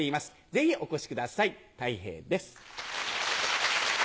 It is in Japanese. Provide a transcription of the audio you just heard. ぜひお越しくださいたい平です。